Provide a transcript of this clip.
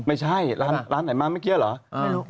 ไม่ใช่ร้านไหนมาเมื่อกี้เหรอ